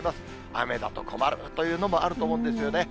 雨だと困るというのもあると思うんですよね。